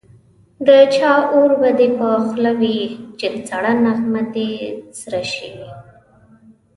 د چا اور به دي په خوله وي چي سړه نغمه دي سره سي